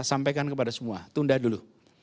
sampaikan kepada semua tunda dulu